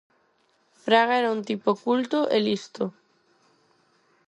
Fraga era un tipo culto e listo.